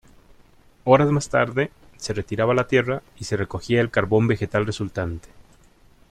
Horas más tarde se retiraba la tierra y se recogía el carbón vegetal resultante.